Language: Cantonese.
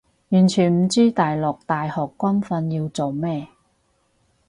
完全唔知大陸大學軍訓要做咩